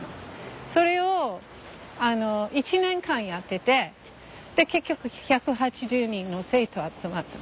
それを１年間やっててで結局１８０人の生徒集まった。